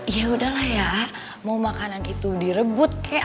ya udahlah ya mau makanan itu direbut kek